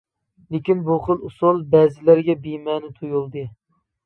لېكىن بۇ خىل ئۇسۇل بەزىلەرگە بىمەنە تۇيۇلدى.